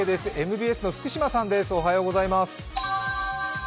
ＭＢＳの福島さんです。